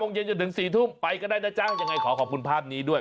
เย็นจนถึง๔ทุ่มไปก็ได้นะจ๊ะยังไงขอขอบคุณภาพนี้ด้วย